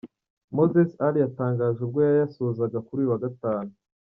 Moses Ali yatangaje ubwo yayasozaga kuri uyu wa gatanu.